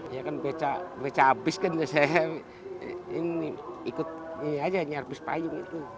ya kan becak habis kan ikut ini aja nyarpis payung itu